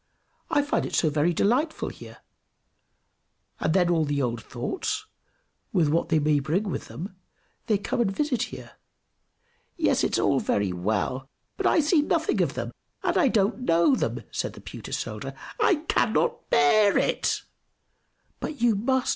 "I find it so very delightful here, and then all the old thoughts, with what they may bring with them, they come and visit here." "Yes, it's all very well, but I see nothing of them, and I don't know them!" said the pewter soldier. "I cannot bear it!" "But you must!"